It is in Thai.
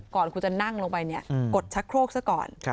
ก่อนคุณจะนั่งลงไปเนี่ยกดชักโครกซะก่อน